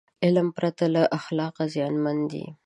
علم پرته له اخلاقه زیانمن دی.